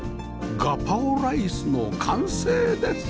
ガパオライスの完成です